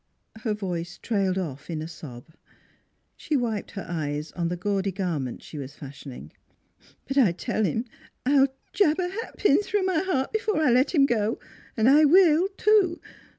Her voice trailed off in a sob. She wiped her eyes on the gaudy garment she was fashioning. " But I tell him I'll jab a hatpin through my heart before I let him go. And I will, too!